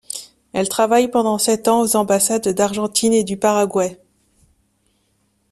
Elle travaille pendant sept ans aux ambassades d'Argentine et du Paraguay.